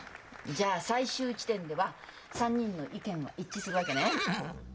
じゃあ最終地点では３人の意見は一致するわけね。